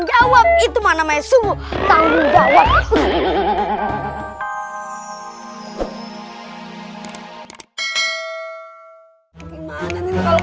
jawab itu mana mesum tanggung jawab ke